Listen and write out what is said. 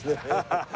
ハハハハ！